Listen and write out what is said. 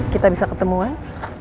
kita bisa ketemuan